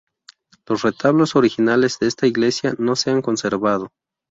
Los retablos originales de esta iglesia no se han conservado.